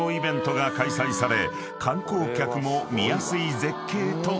［観光客も見やすい絶景となっている］